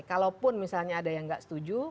kalaupun misalnya ada yang nggak setuju